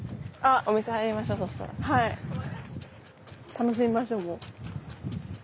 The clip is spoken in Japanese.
楽しみましょうもう。